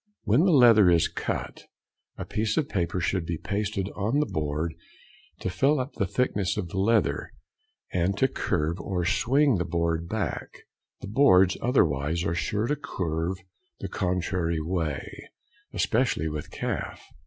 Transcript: When the leather is cut, a piece of paper should be pasted on the board to fill up to the thickness of the leather, and to curve or swing the board back; the boards otherwise are sure to curve the contrary way, especially with calf.